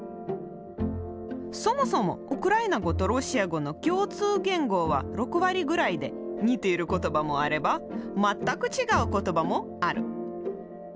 そもそもウクライナ語とロシア語の共通言語は６割ぐらいで似ている言葉もあれば全く違う言葉もある。